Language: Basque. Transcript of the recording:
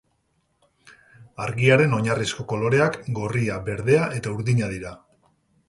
Argiaren oinarrizko koloreak gorria, berdea eta urdina dira.